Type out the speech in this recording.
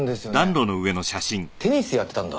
テニスやってたんだ。